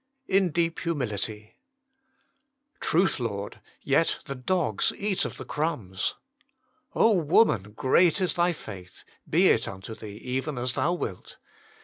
In irp $|umilifg "Truth, Lord: yet the dogs eat of the crumbs. ... woman, great is thy faith : be it unto thee even as thou wilt."